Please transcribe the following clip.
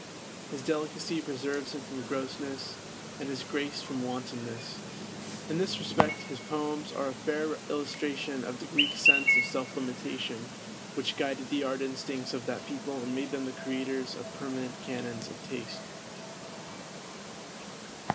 His delicacy preserves him from grossness, and his grace from wantonness. In this respect his poems are a fair illustration of the Greek sense of self limitation, which guided the art instincts of that people and made them the creators of permanent canons of taste.